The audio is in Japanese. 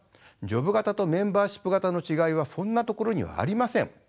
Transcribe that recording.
ジョブ型とメンバーシップ型の違いはそんなところにはありません。